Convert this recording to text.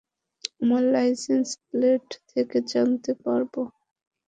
আমরা licence plate থেকে জানতে পারব।